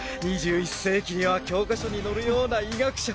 ２１世紀には教科書に載るような医学者